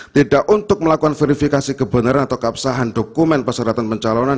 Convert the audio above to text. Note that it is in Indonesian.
tidak untuk melakukan verifikasi kebenaran atau keabsahan dokumen persyaratan pencalonan